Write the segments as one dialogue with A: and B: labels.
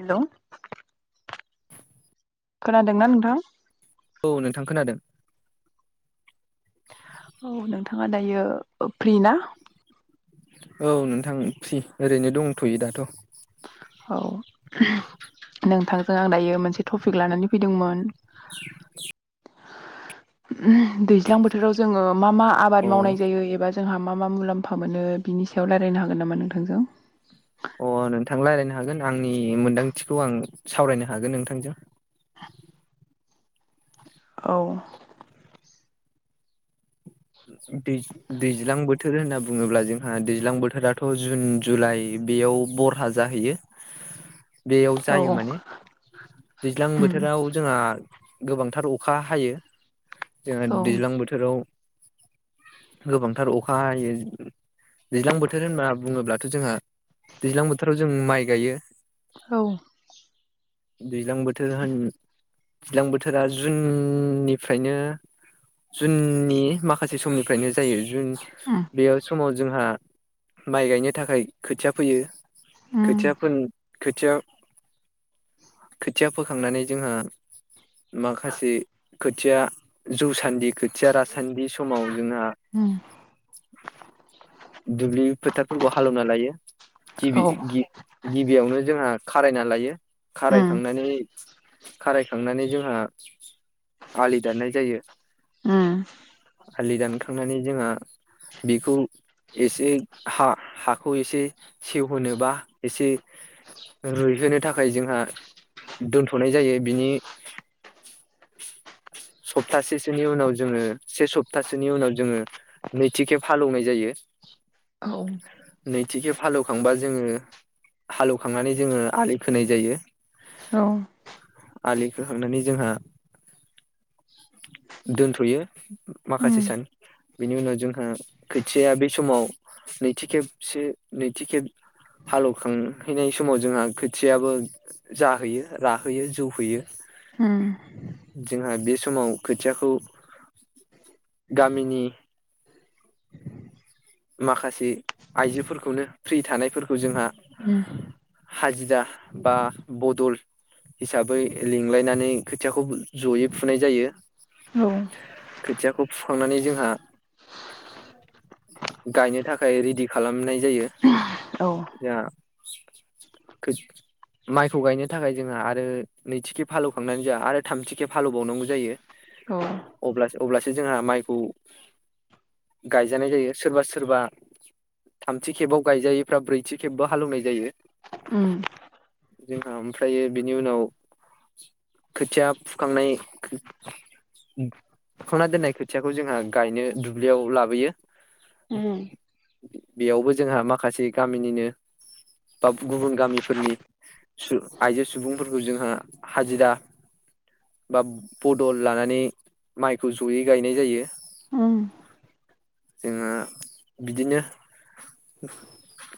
A: हेल' खोनादोंना नोंथां?
B: औ नोंथां खोनादों।
A: औ नों नोंथाङा दायो फ्रि ना?
B: औ नोंथां फ्रि ओरैनो दंथ'यो दाथ'।
A: औ नोंथांजों आं दायो मोनसे टपिक लानानै फैदोंमोन।
B: [unintelligible]
A: दैज्लां बोथोराव जोङो मा मा
B: अ
A: आबाद मावनाय जायो एबा जोंहा मा मा मुलाम्फा मोनो बिनि सायाव रायज्लायनो हागोन नामा नोंथांजों।
B: अ नोंथां रायज्लायनो हागोन आंनि मोन्दांथिखौ आं सावरायनो हागोन नोंथांजों।
A: औ
B: दैज्लां बोथोर होनना बुङोब्ला जोंहा दैज्लां बोथोराथ' जुन जुलाइ बेयाव बरहा जाहैयो बेयाव जायो
A: औ
B: माने दैज्लां
A: उम
B: बोथोराव जोंहा गोबांथार अखा हायो। जोंहा
A: औ
B: दैज्लां बोथोराव गोबांथार अखा हायो दैज्लां बोथोर होनना बुङोब्लाथ' जोंहा दैज्लां बोथोराव जों माइ गायो।
A: औ
B: दैज्लां बोथोर होन दैज्लां बोथोरा जुननिफ्रायनो जुननि माखासे समनिफ्रायनो जायो। जुन
A: उम
B: बे समाव जोंहा माइ गायनो थाखाय खोथिया फैयो।
A: उम
B: खोथियाफोर खुथिया खोथिया फोखांनानै जोंहा माखासे खोथिया जौ सान्दि खो‌थिया रास थान्दि समाव जों हां
A: उम
B: दुबलिथारबो हालोवना लायो। गिबि
A: औ
B: गि गिबियावनो जोंहा खारायना लायो
A: उम
B: खारायखांनानै खारायखांनानै जोंहा आलि दाननाय जायो।
A: उम
B: आलि दानखांनानै जोंहा बेखौ एसे हा हाखौ एसे सेवहोनो बा एसे रुइहोनो थाखाय जोंहा दोनथ'नाय जायो बिनि सप्तासेसोनि उनाव जोङो से सप्तासोनि उनाव जोङो नैथि खेब हाल एवनाय जायो
A: औ
B: नैथि खेब हालौवखांबा जोङो हाल एवखांनानै जोङो आलि खोनाय जायो
A: औ
B: आलि खोखांनानै जोंहा दोनथ'यो माखासे
A: उम
B: सान बिनि उनाव जोंहा खोथियाया बे समाव नैथि खेबसे नैथि खेब हालेवखांहैनाय समाव जोंहा खोथियायाबो जाहैयो राहोयो जौ होयो
A: हुम
B: जोंहा बे समाव खोथियाखौ गामिनि माखासे आइजोफोरखौनो फ्रि थानायफोरखौ जोंहा
A: उम
B: हाजिरा बा बदल हिसाबै लिंलायनानै खोथियाखौ जयै फुनाय जायो।
A: औ
B: खोथियाखौ फुखांनानै जोंहा गायनो थाखाय रेडि खालामनाय जायो
A: औ
B: जों माइखौ गायनो थाखाय जोंहा आरो नैथिखे फालौखांनानै जोंहा आरो थामथिखे फालौबावनांगौ जायो।
A: औ
B: अब्लासो अब्लासो जोंहा माइखौ गायजानाय जायो सोरबा सोरबा थामथि खेबाव गायजायैफ्रा ब्रैथि खेबबो हालेवनाय जायो।
A: उम
B: जोंहा ओमफ्रायो बेनि उनाव खोथिया फुखांनाय फुखांना दोननाय खोथियाखौ जोंहा गायनो दुब्लियाव लाबोयो।
A: उम
B: बेयावबो जोंहा माखासे गामिनिनो बा गुबुन गामिफोरनि आइजो सुबुंफोरखौ जोंहा हाजिरा बा बदल लानानै माइखौ जयै गायनाय जायो।
A: उम
B: जोंङो बिदिनो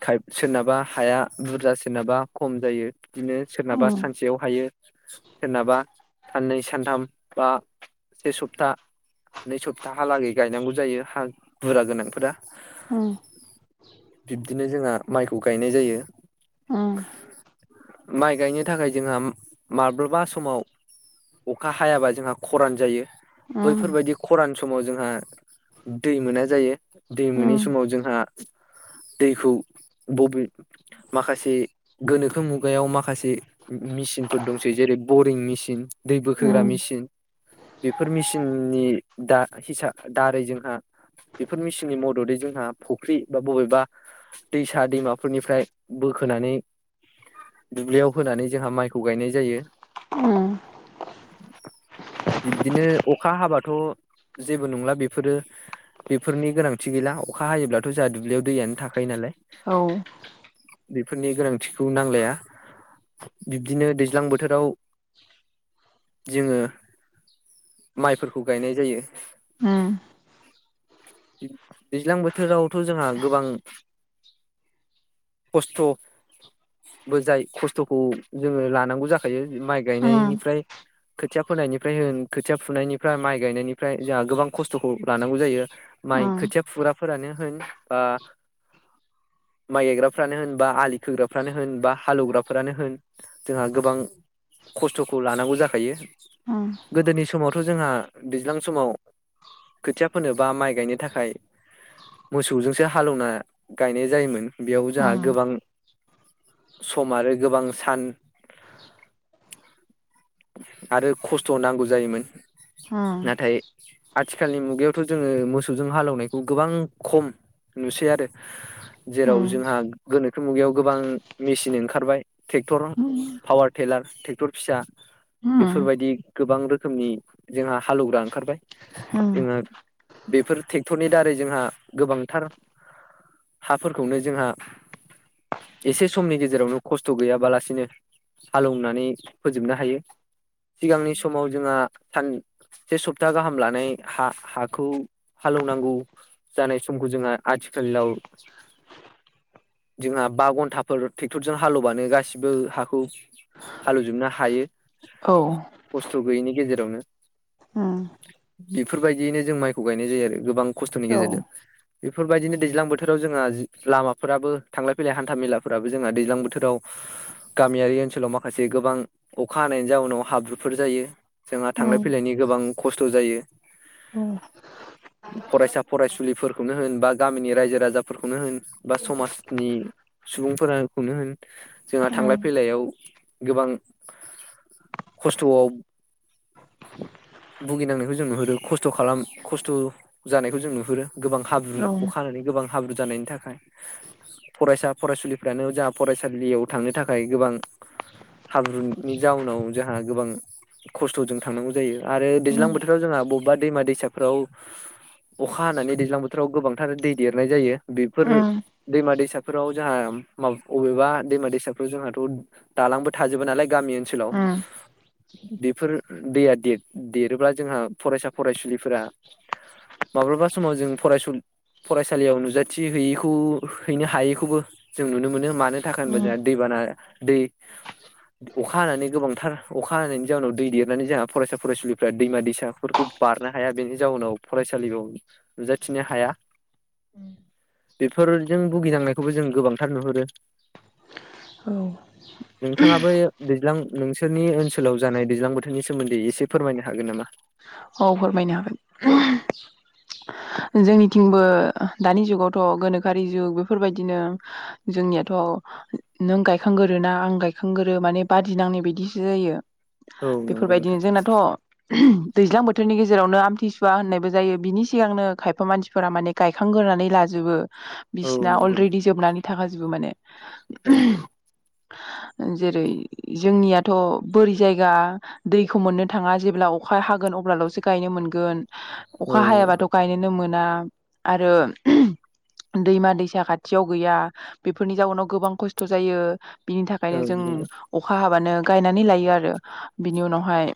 B: खाय सोरनाबा हाया बुरजा सोरनाबा खम जायो। बिदिनो सोरनाबा
A: उम
B: सानसेयाव हायो। सोरनाबा साननै सानथाम बा सेसप्ता नै सप्ताहालागै गायनांगौ जायो हा बुरजा गोनांफोरा।
A: उम
B: बिब्दिनो जोंहा माइखौ गायनाय जायो
A: उम
B: माइ गायनो थाखाय जोंहा माब्लाबा समाव अखा हायाबा जोंहा खरान जायो।
A: उम
B: बैफोरबायदि खरान समाव जोंहा दै मोना जायो। दै मोनि
A: उम
B: समाव जोंहा दैखौ बबे माखासे गोनोखो मुगायाव माखासे मेचिनफोर दंसै जेरै बरिं मेचिन दै
A: औ
B: बोखोग्रा मेसिन बेफोर मेसिननि दा हिसाब दारै जोंहा बेफोर मेसिन नि मददै जोंहा फुख्रि बा बबेबा दैसा दैमाफोरनिफ्राय बोखोनानै दुब्लियाव होनानै जोंहा माइखौ गायनाय जायो। बिब्दिनो अखा हाबाथ जेबो नंला बेफोरो बेफोरनि गोनांथि। थि गैला अखा हायोब्लाथ जाहा दुब्लियाव दैयानो थाखायो नालाय
A: औ
B: बेफोरनि गोनांथिखौ नांलाया बिब्दिनो दैज्लां बोथोराव जोङो माइफोरखौ गायनाय जायो। दैज्लां बोथोरावथ' जोंहा गोबां खस्थबो जाय खस्थखौ जोङो लानांगौ जाखायो माइ गायनायनिफ्राय खोथिया फोनायनिफ्राय होन खोथिया फुनायनिफ्राय माइ गायनायनिफ्राय जोंहा गोबां खस्थखौ लानांगौ जायो। माइ खोथिया फुग्राफोरानो होन बा माइ गायग्राफ्रानो होन बा आलि खोग्राफ्रानो होन बा हालौवग्राफोरानो होन जोंहा गोबां खस्थ'खौ लानांगौ जाखायो गोदोनि समावथ' जोंहा दैज्लां समाव खोथिया फोनो बा माइ गायनो थाखाय मोसौजोंसो हालौवना गायनाय जायोमोन बेयाव जोंहा गोबां सम आरो गोबां सान आरो खस्थ' नांगौ जायोमोन।
A: उम
B: आथिखालनि मुयाव थ जोङो मोसौजों हालौनायखौ गोबां खम नुसै आरो जेराव जोंहा गोनोखो मुगायाव गोबां मेसिन ओंखारबाय ट्रेक्टर पावार टेलार ट्रेक्टर फिसा बेफोरबायदि गोबां रोखोमनि जोंहा हालौवग्रा ओंखारबाय। जोंहा बेफोर ट्रेक्टरनि दारै जोंहा गोबांथार हाफोरखौनो जोंहा एसे समनि गेजेरावनो खस्थ' गैयाबालासिनो हालौनानै फोजोबनो हायो। सिगांनि समाव जोंहा। सान से सप्ता गाहाम लानाय हा हा हाखौ हालौवनांगौ जानाय समखौ जोंहा आथिखालाव जोंहा बा घन्टाफोर ट्रेक्टरजों हालौबानो गासिबो हाखौ हालौजोबनो हायो। खस्थ' गोयैनि गेजेरजों यावनो
A: उम
B: बेफोरबायदियैनो जों माइखौ गायनाय जायो आरो गोबां खस्थनि गेजेरजों। बेफोरबायदिनो दैज्लां बोथोराव जोंहा लामाफोराबो थांलाय फैलाय हान्था मेलाफोराबो जोंहा दैज्लां बोथोराव गामियारि ओनसोलाव माखासे गोबां अखा हानायनि जाउनाव हाब्रुफोर जायो। जोंहा थांलाय फैलायनि गोबां खस्थ' जायो।
A: औ
B: फरायसा फरायसुलिफोरखौनो होन बा गामिनि रायजो राजाफोरखौनो होन बा समाजनि सुबुंफोरखौनो होन जोंहा थांलाय फैलायाव गोबां खस्थ'आव भुगिनांनायखौ जों नुबोदों खस्थ' खालाम खस्थ' जानायखौ जों नुहुरो। गोबां हाब्रु अखा हानानै गोबां। हाब्रु जानायनि थाखाय फरायसा फरायसुलिफ्रानो जोंहा फरायसालियाव थांनो थाखाय गोबां हाब्रुनि जाउनाव जोंहा गोबां खस्थ'जों थांनांगौ जायो आरो दैज्लां बोथोराव जोंहा बबेबा दैमा-दैसा। औ अखा हानानै दैज्लां बोथोराव गोबांथार दै देरनाय जायो बेफोर दैमा दैसाफोराव जोंहा म अबेबा दैमा दैसाफ्राव जोंहाथ' दालांबो थाजोबा नालाय। गामि ओनसोलाव बेफोर दैया दे- देरोब्ला जोंहा फरायसा फरायसुलिफोरा माब्लाबा समाव जों फरायसु फरायसालियाव नुजाथि हैयैखौ हैनो हायैखौबो जों नुनो मोनो। मानो थाखाय होनबा दै बाना दै अखा हानानै गोबांथार अखा हानायनि जाउनाव दै देरनानै जोंहा फरायसा फरायसुलिफ्रा दैमा दैसाफोरखौ बारनो हाया बेनो जाउनाव फरायसालियाव नुजाथिनो हाया बेफोरजों भुगिनांनायखौबो जों गोबांथार नुहुरो।
A: औ
B: नोंथाङाबो दैज्लां नोंसोरनि ओनसोलाव जानाय दैज्लां बोथोरनि सोमोन्दै एसे फोरमायनो हागोन नामा?
A: औ फोरमायनो हागोन जोंनिथिंबो दानि जुगावथ' गोनोखोआरि जुग बेफोरबायदिनो जोंनियाथ' नों गायखांगोरोना आं गायखांगोरो माने बादि नांनाय बायदिसो जायो।
B: औ नंगौ
A: बेफोरबायदिनो
B: नोंथां
A: जोंनाथ'। दैज्लां बोथोरनि गेजेरावनो आमथिसुवा होननायबो जायो बिनि सिगांनो खायफा मानसिफोरा माने गायखांग्रोनानै लाजोबो। बिसिना अलरेडि जोबनानै थाखाजोबो माने।
B: उम
A: जेरै जोंनियाथ' बोरि जायगा दैखौ मोननो थाङा जेब्ला अखा हाग गोन अब्लाल'सो गायनो मोनगोन।
B: औ
A: अखा हायाबाथ' गायनोनो मोन ना आरो दैमा दैसा खाथियाव गैया बेफोरनि जाउनाव गोबां खस्थ' जायो। बिनि थाखायनो जों अखा मा होनो गायनानै लायो आरो बिनि उनावहाय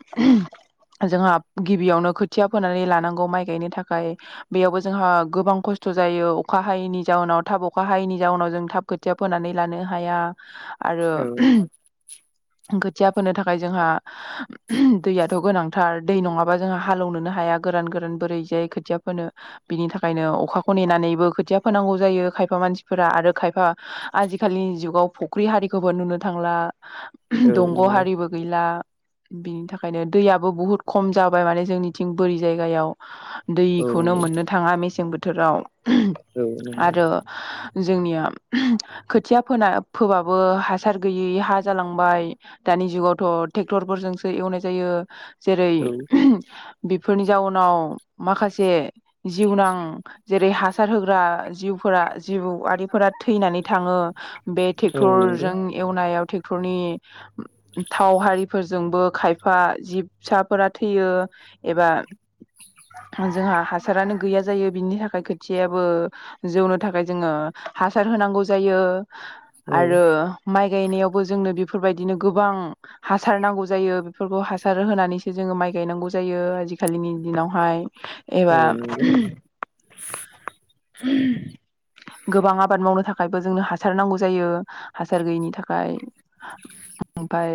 A: जोंहा गिबियावनो खोथिया फोनानै लानांगौ माइ गायनो थाखाय बेयावबो जोंहा गोबां खस्थ' जायो अखा हायैनि जाउनाव थाब अखा हायैनि जाउनाव जों थाब खोथिया फोनानै लानो हाया। आरो खोथिया फोनो थाखाय जोंहा दैयाथ' गोनांथार। दै नङाबा जोंहा हालौवनोनो हाया गोरान गोरान बोरै जाय खोथिया फोनो बिनि थाखायनो अखाखौ नेनानैबो खोथिया फोनांगौ जायो खायफा मानसिफोरा आरो खायफा आजिखालिनि जुगाव फुख्रि हारिखौबो नुनो थांला।
B: औ
A: दंग'
B: नंगौ
A: हारिबो गैला। बिनि थाखायनो दैयाबो बहुत खम जाबाय माने जोंनिथिं बोरि जायगायाव।
B: औ
A: दैखौनो मोननो थाङा मेसें बोथ‌ थोराव [unintelligible]
B: औ नंगौ औ
A: आरो जोंनिया खोथिया फोना फोबाबो हासार गैयै हा जालांबाय दानि जुगावथ' टेक्टरफोरजोंसो एवनाय जायो जेरै [unintelligible] बेफोरनि जाउनाव माखासे जिउनां जेरै हासार होग्रा जिउफोरा जिउफोरा आरिफोरा थैनानै थाङो। बे
B: नंगौ
A: ट्रेक्टरजों एवनायाव टेक टरनि थाव हारिफोरजोंबो खायफा जिब फिसाफोरा थैयो एबा जोंहा हासारानो गैया जायो बिनि थाखाय थियाबो जौनो थाखाय जोङो हासार होनांगौ जायो।
B: औ
A: आरो
B: औ
A: माइ गायनायावबो जोंनो बेफोरबायद बिदिनो गोबां हासार नांगौ जायो फोरखौ हासार होनानैसो जोङो माइ गायनांगौ जायो आजिखालिनि दिनावहाय
B: नंगौ औ
A: एबा
B: नंगौ
A: [unintelligible] गोबां आबाद मावनो थाखायबो जोंनो हासार हासार गैयिनि थाखाय ओमफाय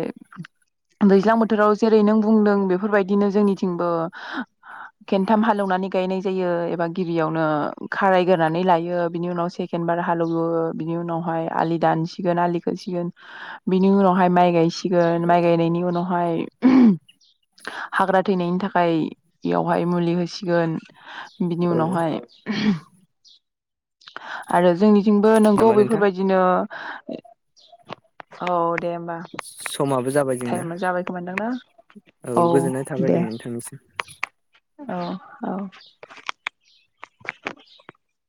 A: दैज्लां बोथोराव‌ जेरै नों बुंदों बेफोरबायदिनो जोंनिथिंबो खेनथाम हालौनानै गायनाय जायो एबा गिबियावनो खारायग्रानै लायो बिनि उनाव सेकेन्द बार हालौवो बिनि उनावहाय आलि दानसिगोन आलिखोसिगोन बिनि उनावहाय माइ गायसि गोन माइ गायनायनि उनाव हाय हाग्रा थैनायनि थाखाय बेयावहाय मुलि होसिगोन‌ बिनि
B: औ
A: उनावहाय [unintelligible] आरो जोंनि‌ थिंबो नोंगौ
B: नामा नोंथां
A: बेफोरबायदिनो औ दे होमबा
B: समाबो जाबाय जोंना
A: टाइमा जाबाय खोमादां ना
B: औ गोजोननाय थाबाय दे नोंथांनिसिम।
A: औ औ [unintelligible]